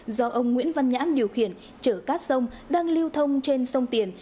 do ông nguyễn văn nhãn điều khiển chở cát sông đang lưu thông trên sông tiền